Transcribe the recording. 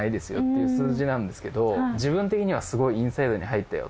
いう数字なんですけど自分的にはすごいインサイドに入ったよ。